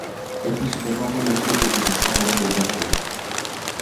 Elle fut cependant relâchée au bout de trois mois pour bonne conduite.